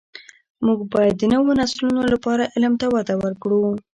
موږ باید د نوو نسلونو لپاره علم ته وده ورکړو.